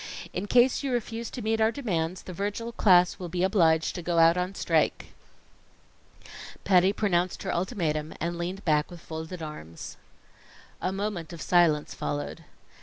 In case you refuse to meet our demands, the Virgil class will be obliged to go out on strike." Patty pronounced her ultimatum, and leaned back with folded arms. A moment of silence followed.